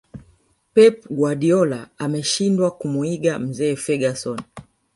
pep guardiola ameshindwa kumuiga mzee ferguson